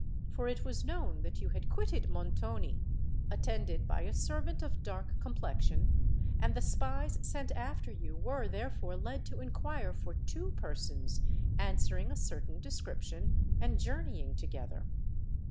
For it was known that you had quitted Montoni, attended by a servant of dark complexion; and the spies sent after you were therefore led to inquire for two persons answering a certain description, and journeying together.